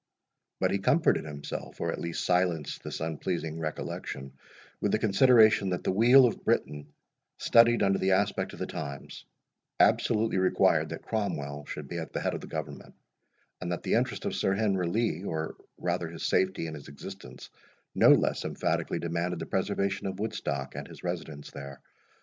But he comforted himself, or at least silenced this unpleasing recollection, with the consideration, that the weal of Britain, studied under the aspect of the times, absolutely required that Cromwell should be at the head of the government; and that the interest of Sir Henry Lee, or rather his safety and his existence, no less emphatically demanded the preservation of Woodstock, and his residence there.